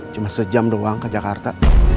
cuma sejam doang ke jakarta